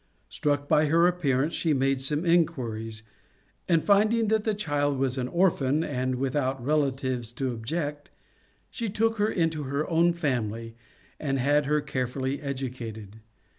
Struck by her appearance she made some inquiries, and, finding that the child was an orphan and without relatives to object, she took her into her own family and had her carefully educated.